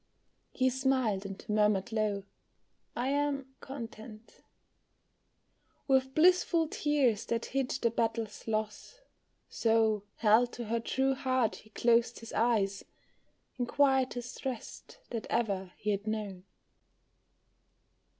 He smiled, and murmured low, "I am content," With blissful tears that hid the battle's loss; So, held to her true heart he closed his eyes, In quietest rest that ever he had known.